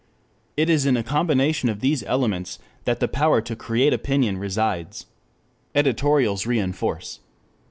It is in a combination of these elements that the power to create opinion resides. Editorials reinforce.